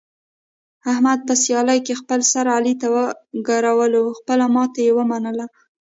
احمد په سیالۍ کې خپل سر علي ته وګرولو، خپله ماتې یې و منله.